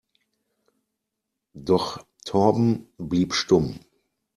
Doch Torben blieb stumm.